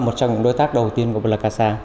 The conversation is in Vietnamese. một trong những đối tác đầu tiên của plakasa